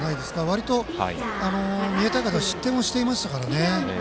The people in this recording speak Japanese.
割と三重大会では失点をしていましたから。